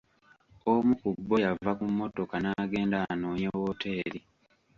Omu ku bo yava ku mmotoka n'agenda anoonye wooteri.